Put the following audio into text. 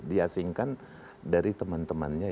diasingkan dari teman temannya